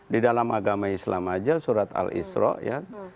di dalam agama islam aja surat al isra ya